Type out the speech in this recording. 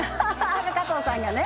加藤さんがね